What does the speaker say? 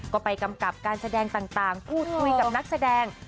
ก็ไปกำกับการแสดงต่างพูดคุยกับนักแสดง